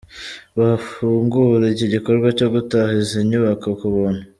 Bafungura iki gikorwa cyo gutaha izi nyubako ku buntu.